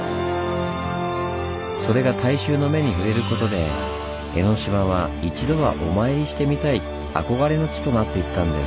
それが大衆の目に触れることで江の島は一度はお参りしてみたい憧れの地となっていったんです。